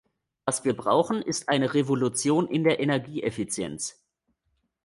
Was wir brauchen, ist eine Revolution in der Energieeffizienz.